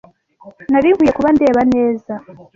Nari nkwiye kuba ndeba neza.